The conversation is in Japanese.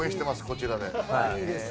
こちらで。